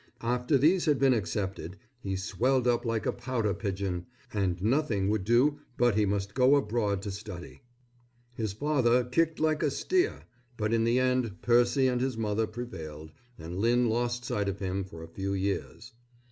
After these had been accepted he swelled up like a pouter pigeon and nothing would do but he must go abroad to study. His father kicked like a steer; but in the end Percy and his mother prevailed, and Lynn lost sight of him for a few years.